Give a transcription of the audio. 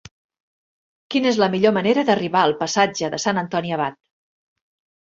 Quina és la millor manera d'arribar al passatge de Sant Antoni Abat?